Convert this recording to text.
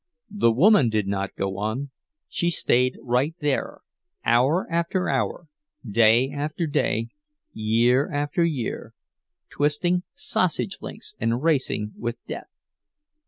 The woman did not go on; she stayed right there—hour after hour, day after day, year after year, twisting sausage links and racing with death.